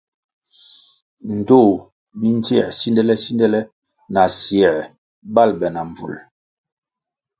Ndtoh mi ndzier sindele-sindele asier bal be na mbvul.